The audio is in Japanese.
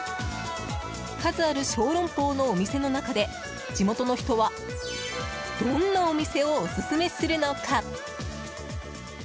数ある小籠包のお店の中で地元の人はどんなお店をオススメするのか？